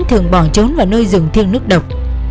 thường bỏ trốn vào nơi rừng thiêng nước độc